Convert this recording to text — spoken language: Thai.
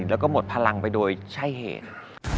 แล้วก็หมดพลังไปโดยใช่เหตุ